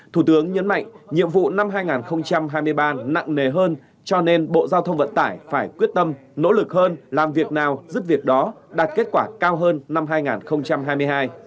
thủ tướng nhấn mạnh nhiệm vụ năm hai nghìn hai mươi ba nặng nề hơn cho nên bộ giao thông vận tải phải quyết tâm nỗ lực hơn làm việc nào giúp việc đó đạt kết quả cao hơn năm hai nghìn hai mươi hai